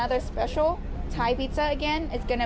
คุณผู้ชมไปดูคลิปกันก่อนค่ะ